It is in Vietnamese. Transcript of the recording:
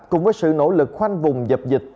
cùng với sự nỗ lực khoanh vùng dập dịch